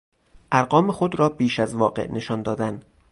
ارقام خود را بیش از واقع نشان دادن